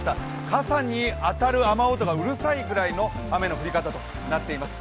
傘に当たる雨音がうるさいぐらいの雨の降り方となっています。